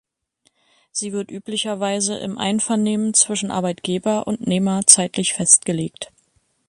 Sie wird üblicherweise im Einvernehmen zwischen Arbeitgeber und -nehmer zeitlich festgelegt.